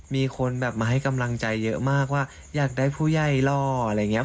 มีคนแบบมาให้กำลังใจเยอะมากว่าอยากได้ผู้ใหญ่ล่ออะไรอย่างนี้